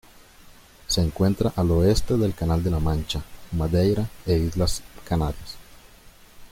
Se encuentra al oeste del Canal de la Mancha, Madeira e Islas Canarias.